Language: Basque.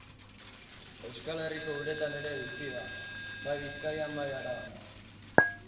Euskal Herriko uretan ere bizi da, bai Bizkaian, bai Araban.